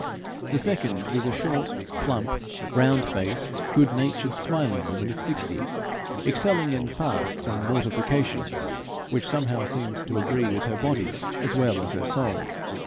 The second was a short, plump, round faced, good natured, smiling woman of sixty, excelling in fasts and mortifications, which somehow seemed to agree with her body as well as her soul.